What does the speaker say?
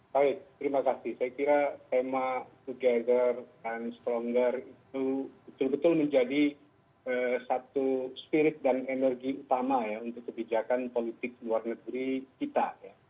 baik terima kasih saya kira tema together and stronger itu betul betul menjadi satu spirit dan energi utama ya untuk kebijakan politik luar negeri kita